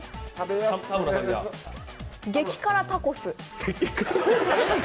激辛タコス？